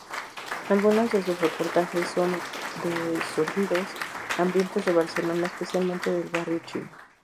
Algunos de sus reportajes son de sórdidos ambientes de Barcelona, especialmente del Barrio Chino.